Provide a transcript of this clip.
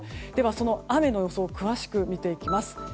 その雨の予想詳しく見ていきます。